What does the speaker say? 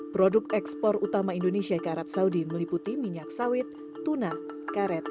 produk ekspor utama indonesia ke arab saudi meliputi minyak sawit tuna karet